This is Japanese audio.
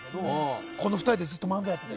この２人でずっと漫才をやっていて。